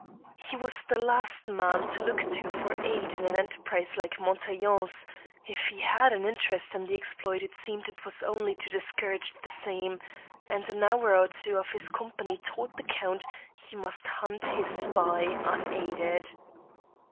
He was the last man to look to for aid in an enterprise like Montaiglon's: if he had an interest in the exploit it seemed it was only to discourage the same, and an hour or two of his company taught the Count he must hunt his spy unaided.